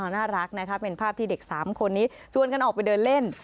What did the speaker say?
น่ารักนะคะเป็นภาพที่เด็ก๓คนนี้ชวนกันออกไปเดินเล่น